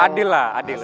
adil lah adil